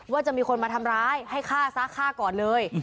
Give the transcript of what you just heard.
ว่าจะมีคนมาทำร้ายให้ฆ่าซะฆ่าก่อนเลย